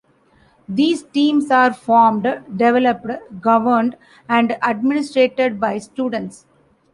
These teams are formed, developed, governed, and administrated by students.